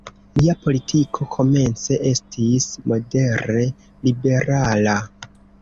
Lia politiko komence estis modere liberala.